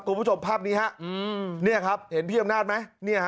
คุณผู้ชมภาพนี้ฮะเนี่ยครับเห็นพี่อำนาจไหม